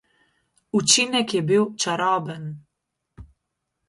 Učinek je bil čaroben.